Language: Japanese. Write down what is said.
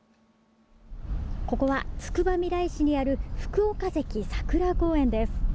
ここはつくばみらい市にある福岡堰さくら公園です。